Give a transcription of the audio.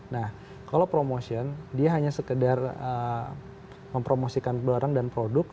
nah kalau promotion dia hanya sekedar mempromosikan barang dan produk